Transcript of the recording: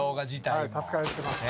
はい助かってます。